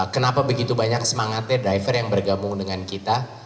kenapa begitu banyak semangatnya driver yang bergabung dengan kita